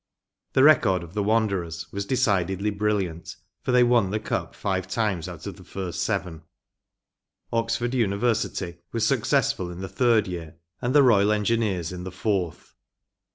The record of the Wanderers was decidedly brilliant, for they won the Cup five times out of the first seven. Oxford University was successful in the third year and the Royal Engineers in the fourth.